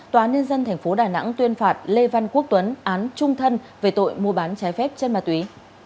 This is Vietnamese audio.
tòa án nhân dân tp đà nẵng tuyên phạt lê văn quốc tuấn án trung thân về tội mua bán trái phép chất ma túy